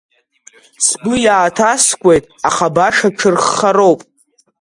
Сгәы иааҭаскуеит, аха баша ҽырххароуп.